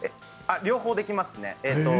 両方できますね。